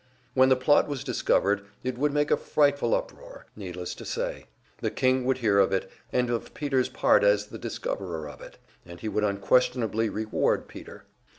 When the plot was discovered, it would make a frightful uproar, needless to say; the king would hear of it, and of Peter's part as the discoverer of it, and he would unquestionably reward Peter.